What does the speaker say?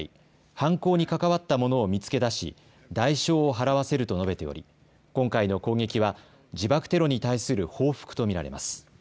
犯行に関わった者を見つけ出し代償を払わせると述べており今回の攻撃は自爆テロに対する報復と見られます。